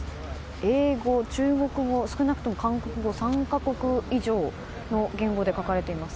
英語、中国語、少なくとも韓国語３か国以上の言語で書かれています。